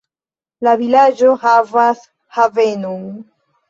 La vilaĝo havas havenon.